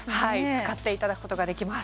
使っていただくことができます